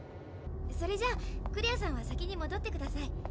それじゃクレアさんは先にもどってください。